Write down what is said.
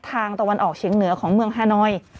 ตะวันออกเฉียงเหนือของเมืองฮานอย